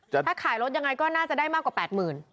ถ้าขายรถยังไงก็น่าจะได้มากกว่า๘๐๐๐บาท